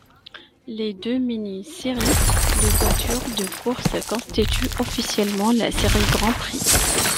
Les deux mini-séries de voitures de course constituent officiellement la Série Grand Prix.